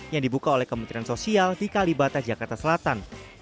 yang dibuka oleh kementerian sosial di kalibata jakarta selatan